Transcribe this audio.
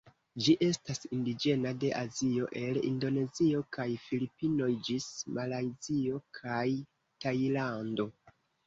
Ĝi estas indiĝena de Azio, el Indonezio kaj Filipinoj ĝis Malajzio kaj Tajlando.